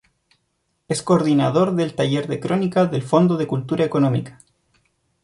Es coordinador del Taller de Crónica del Fondo de Cultura Económica.